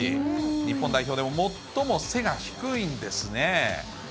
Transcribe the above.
日本代表でも最も背が低いんですね。